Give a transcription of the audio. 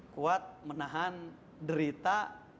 kuat menahan derita